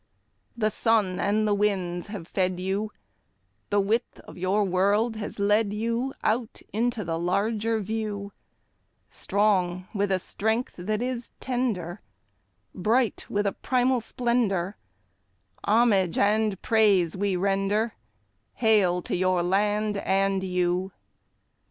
The sun and the winds have fed you; The width of your world has led you Out into the larger view; Strong with a strength that is tender, Bright with a primal splendour, Homage and praise we render— Hail to your land and you!